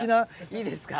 いいですか？